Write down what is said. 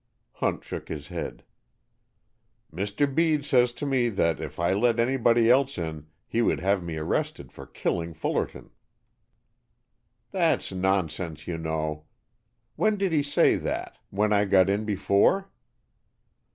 Hunt shook his head. "Mr. Bede says to me that if I let anybody else in, he would have me arrested for killing Fullerton." "That's nonsense, you know. When did he say that, when I got in before?"